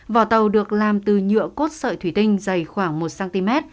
vỏ tàu được làm từ nhựa cốt sợi thủy tinh dày khoảng một cm